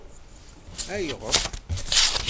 Ayɣef?